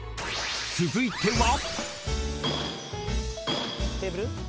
［続いては］